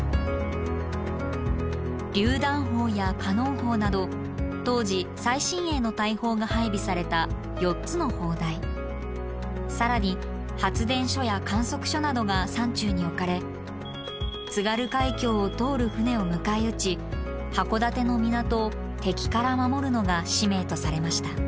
榴弾砲やカノン砲など当時最新鋭の大砲が配備された４つの砲台更に発電所や観測所などが山中に置かれ津軽海峡を通る船を迎え撃ち函館の港を敵から守るのが使命とされました。